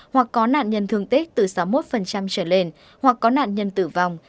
hoặc có nạn nhân thương tích từ sáu mươi một trở lên hoặc có nạn nhân tử vong